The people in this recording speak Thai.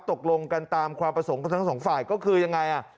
ตกลงกันตามความประสงค์ของทั้งสองฝ่ายก็คือยังไงอ่ะ